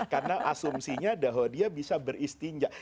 karena asumsinya dahulu dia bisa beristinjak